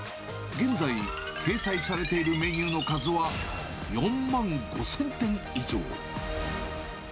現在、掲載されているメニューの数は４万５０００点以上。